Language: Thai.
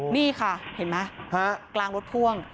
นี่ค่ะเห็นไหมกลางรถพ่วง